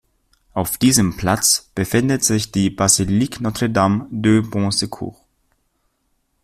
Auf diesem Platz befindet sich die "Basilique Notre-Dame de Bon-Secours.